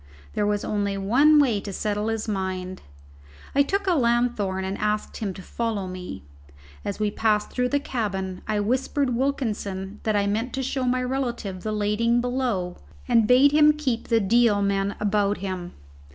There was only one way to settle his mind; I took a lanthorn, and asked him to follow me. As we passed through the cabin I whispered Wilkinson that I meant to show my relative the lading below, and bade him keep the Deal men about him.